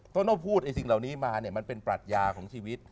ต้องพูดไอ้สิ่งเหล่านี้มาเนี่ยมันเป็นปรัชญาของชีวิต